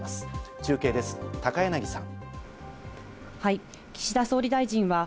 中継です、高柳さん。